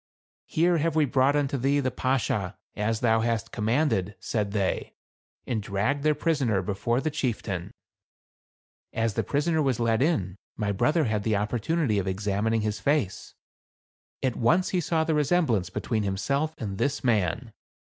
"Here have we brought unto thee the Bashaw, as thou hast commanded," said they, and dragged their prisoner before the chieftain. As the prisoner was led in, my brother had the opportunity of examining his face. At 168 THE CARAVAN. once he saw the resemblance between himself and this man.